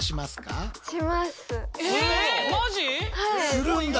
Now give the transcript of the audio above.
するんだ。